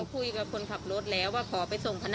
คุณจะไปจับกันอย่างไรก็ไป